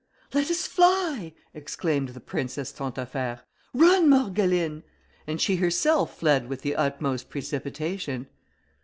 "Let us fly!" exclaimed the princess Tantaffaire; "run, Morgeline!" and she herself fled with the utmost precipitation.